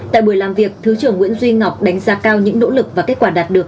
tại buổi làm việc thứ trưởng nguyễn duy ngọc đánh giá cao những nỗ lực và kết quả đạt được